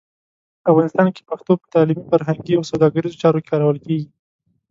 افغانستان کې پښتو په تعلیمي، فرهنګي او سوداګریزو چارو کې کارول کېږي.